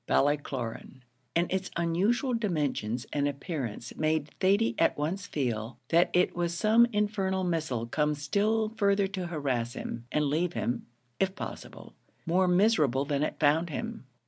Ballycloran; and its unusual dimensions and appearance made Thady at once feel that it was some infernal missile come still further to harass him, and leave him, if possible, more miserable than it found him.